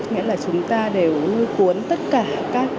nghĩa là chúng ta đều cuốn tất cả các văn hóa việt nam